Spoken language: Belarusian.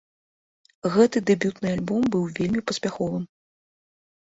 Гэты дэбютны альбом быў вельмі паспяховым.